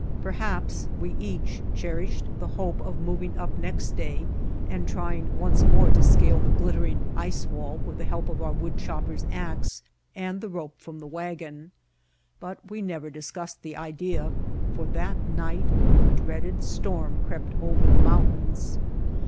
Perhaps we each cherished the hope of moving up next day and trying once more to scale the glittering ice wall with the help of our wood chopper's ax and the rope from the wagon; but we never discussed the idea for that night the dreaded storm crept over the moun tains.